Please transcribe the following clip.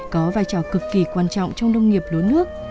có vai trò cực kỳ quan trọng trong nông nghiệp lúa nước